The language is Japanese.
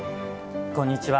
こんにちは。